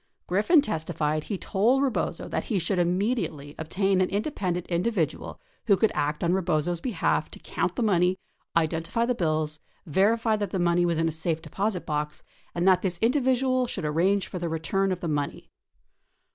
Griffin testified he told Rebozo that he should immediately obtain an independent individual aa'Iio could act on Rebozo's behalf to count the money, identify the bills, verify that the money was in a safe deposit, box, and that this individual should arrange for the re turn of the money.